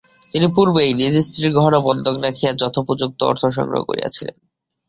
তিনি পূর্বেই নিজ স্ত্রীর গহনা বন্ধক রাখিয়া যথোপযুক্ত অর্থসংগ্রহ করিয়াছিলেন।